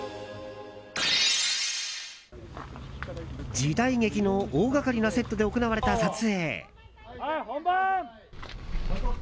時代劇の大掛かりなセットで行われた撮影。